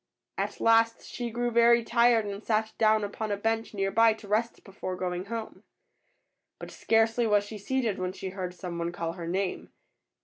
At last she grew very tired and sat down upon a bench near by to rest before going home. But scarcely was she seated when she heard some one call her name.